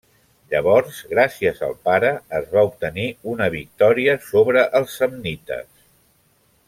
Llavors, gràcies al pare, es va obtenir una victòria sobre els samnites.